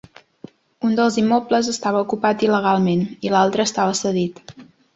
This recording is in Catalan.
Un dels immobles estava ocupat il·legalment i l’altre estava cedit.